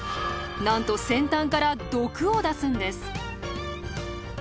なんと先端から毒を出すんです。